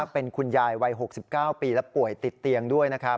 เป็นคุณยายวัย๖๙ปีและป่วยติดเตียงด้วยนะครับ